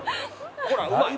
ほらうまい。